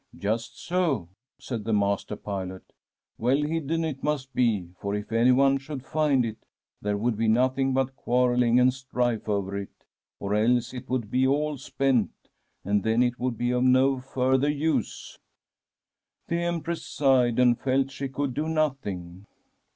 'Just so/ said the master pilot ;' well hidden it must be, for if any one should find it, there would be nothing but quarrelling and strife over it, or else it would be all spent, and then it would be of no further use.' '" The Empress sighed, and felt she could do nothing.